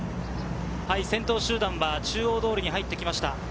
先頭集団は中央通りに入ってきました。